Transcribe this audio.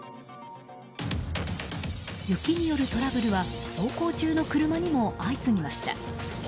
雪によるトラブルは走行中の車にも相次ぎました。